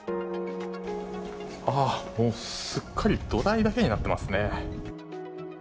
すっかり土台だけになっていますね。